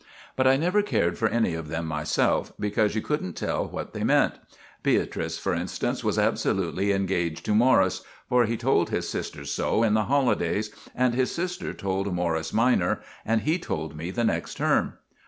But I never cared for any of them myself, because you couldn't tell what they meant. Beatrice, for instance, was absolutely engaged to Morris, for he told his sister so in the holidays, and his sister told Morris minor, and he told me the next term.